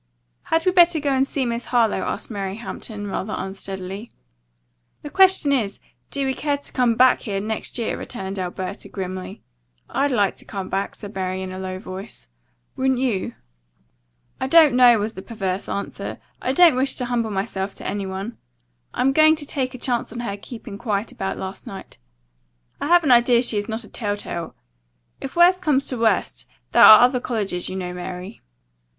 "Had we better go and see Miss Harlowe?" asked Mary Hampton, rather unsteadily. "The question is, do we care to come back here next year?" returned Alberta grimly. "I'd like to come back," said Mary in a low voice. "Wouldn't you?" "I don't know," was the perverse answer. "I don't wish to humble myself to any one. I'm going to take a chance on her keeping quiet about last night. I have an idea she is not a telltale. If worse comes to worst, there are other colleges, you know, Mary."